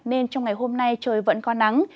nên trong ngày hôm nay trời vẫn có nắng